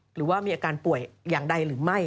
หรือว่ามีอาการป่วยอย่างใดหรือไม่